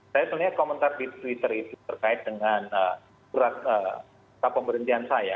saya sebenarnya komentar di twitter itu terkait dengan peraturan pemerintahan saya